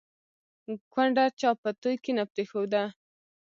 ـ کونډه چا په توى کې نه پرېښوده